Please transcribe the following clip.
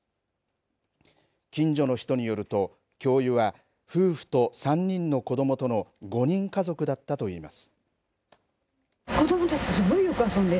近所の人によると教諭は夫婦と３人の子どもとの５人家族だったと言います。